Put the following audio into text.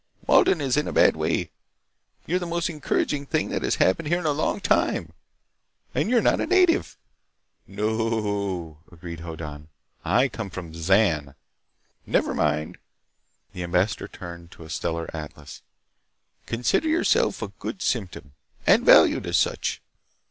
Walden is in a bad way. You are the most encouraging thing that has happened here in a long time. And you're not a native." "No o o," agreed Hoddan. "I come from Zan." "Never mind." The ambassador turned to a stellar atlas. "Consider yourself a good symptom, and valued as such.